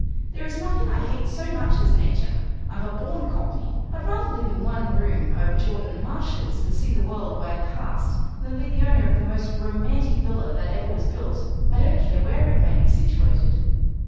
There is nothing I hate so much as Nature! I'm a born cockney. I'd rather live in one room over Jordan and Marsh's, and see the world wag past, than be the owner of the most romantic villa that ever was built, I don't care where it may be situated."